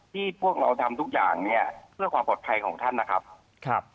พวกเราทำทุกอย่างเนี่ยเพื่อความปลอดภัยของท่านนะครับครับ